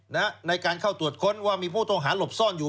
ในการเข้าตรวจค้นว่ามีผู้ต้องหาหลบซ่อนอยู่